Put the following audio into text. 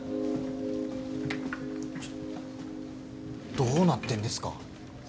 ちょどうなってんですか？